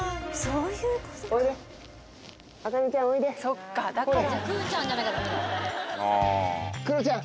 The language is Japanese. そっかだから。